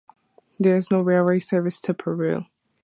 There is no railway service to Peru.